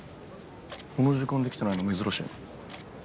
この時間で来てないの珍しいな。